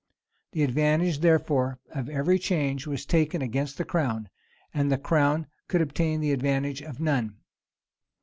The advantage, therefore, of every change was taken against the crown; and the crown could obtain the advantage of none.